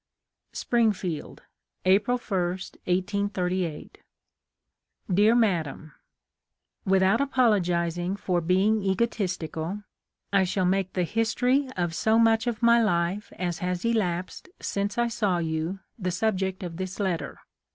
"Springfield, April i, 1838. " Dear Madam :— "Without apologizing for being egotistical, I shall make the history of so much of my life as has elapsed since I saw you the subject of this letter.